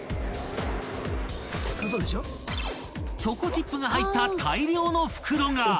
［チョコチップが入った大量の袋が］